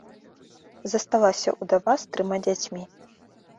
Засталася ўдава з трыма дзяцьмі.